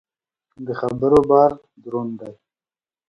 د خبرو بار دروند دی.